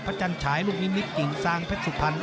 พระจันทรายลูกนิมิตรกินสร้างเพชรสุพรรณ